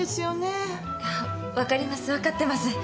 分かります分かってます。